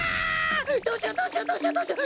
どうしようどうしようどうしようどうしよう！